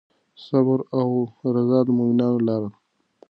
صبر او رضا د مؤمنانو لاره ده.